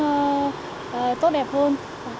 sống tốt đẹp hơn